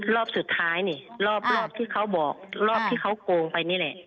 รอบสุดท้ายนี่รอบที่เขาบอกรอบที่เขาโกงไปนี่แหละ